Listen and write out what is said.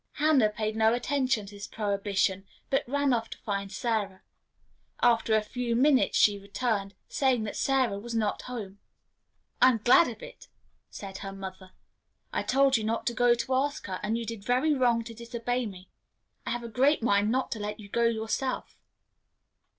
Hannah paid no attention to this prohibition, but ran off to find Sarah. After a few minutes she returned, saying that Sarah was not at home. "I am glad of it," said her mother; "I told you not to go to ask her, and you did very wrong to disobey me. I have a great mind not to let you go yourself."